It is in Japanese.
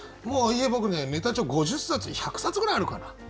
もう家僕ねネタ帳５０冊１００冊ぐらいあるかな。